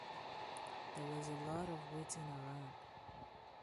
There was a lot of waiting around.